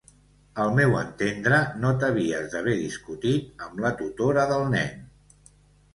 Al meu entendre no t'havies d'haver discutit amb la tutora del nen.